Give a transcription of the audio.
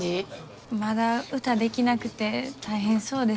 まだ歌できなくて大変そうです。